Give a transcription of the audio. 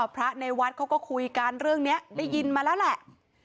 พระในวัดเขาก็คุยกันเรื่องนี้ได้ยินมาแล้วแหละ